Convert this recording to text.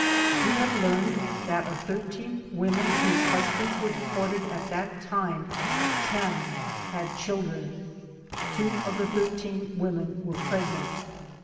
We have learned that of thirteen women whose husbands were de ported at that time, ten had children. Two of the thir teen women were pregnant.